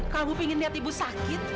kamu ingin lihat ibu sakit